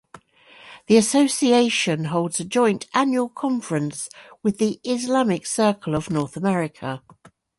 The association holds a joint annual conference with the Islamic Circle of North America.